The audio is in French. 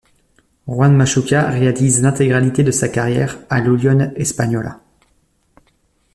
Juan Machuca réalise l'intégralité de sa carrière à l'Unión Española.